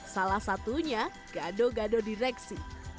salah satunya gado gado direksi